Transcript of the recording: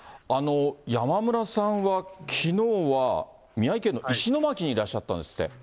山村さんはきのうは、宮城県の石巻にいらっしゃったんですって。